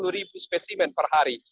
empat puluh ribu spesimen per hari